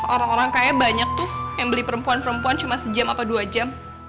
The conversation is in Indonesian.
orang orang kaya banyak tuh yang beli perempuan perempuan cuma sejam atau dua jam